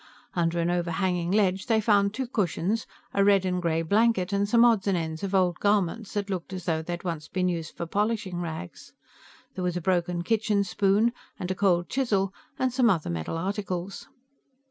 Under an overhanging ledge, they found two cushions, a red and gray blanket, and some odds and ends of old garments that looked as though they had once been used for polishing rags. There was a broken kitchen spoon, and a cold chisel, and some other metal articles.